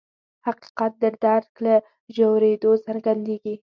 حقیقت د درک له ژورېدو څرګندېږي.